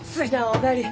お帰り。